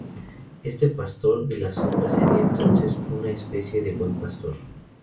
Este pastor de las sombras sería entonces una especie de buen pastor.